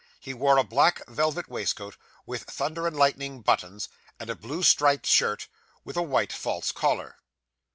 He wore a black velvet waistcoat, with thunder and lightning buttons; and a blue striped shirt, with a white false collar.